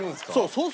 そう。